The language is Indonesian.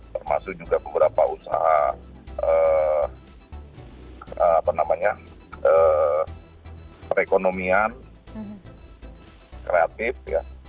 termasuk juga beberapa usaha apa namanya perekonomian kreatif ya